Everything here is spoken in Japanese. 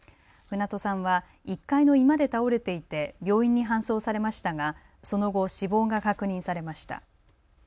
船戸さんは１階の居間で倒れていて病院に搬送されましたが、その後死亡が確認されました。